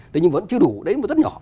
đấy nhưng vẫn chưa đủ đấy vẫn rất nhỏ